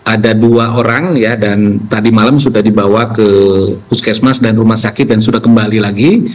ada dua orang dan tadi malam sudah dibawa ke puskesmas dan rumah sakit dan sudah kembali lagi